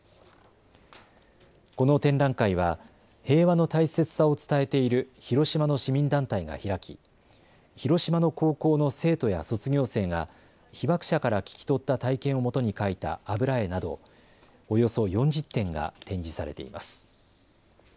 この展覧会は平和の大切さを伝えている広島の市民団体が開き広島の高校の生徒や卒業生が被爆者から聞き取った体験をもとに描いた油絵などおよそ４０点が展示されています。